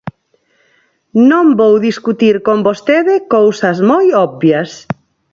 Non vou discutir con vostede cousas moi obvias.